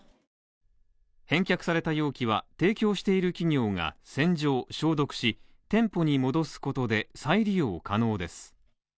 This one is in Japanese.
返却された容器は、提供している企業が洗浄消毒し、店舗に戻すことで、再利用可能です。